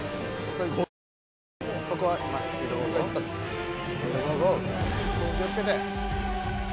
そこ気をつけて。